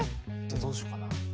どうしようかな。